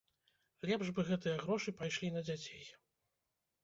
Лепш бы гэтыя грошы пайшлі на дзяцей.